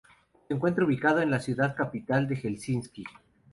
Se encuentra ubicado en la ciudad capital de Helsinki.